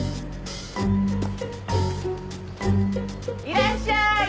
いらっしゃーい！